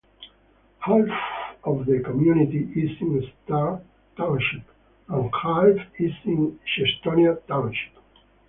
Half of the community is in Star Township, and half is in Chestonia Township.